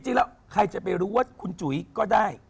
จริงแล้วใครจะไปรู้ว่าคุณจุ๋ยก็ได้